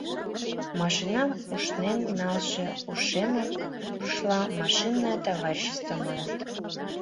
Машинам ушнен налше ушемым рушла «машинное товарищество» маныт.